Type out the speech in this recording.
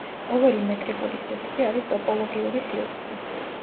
ყოველი მეტრიკული სივრცე არის ტოპოლოგიური სივრცე.